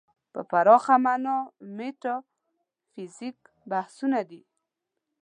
په پراخه معنا میتافیزیک مبحثونه دي.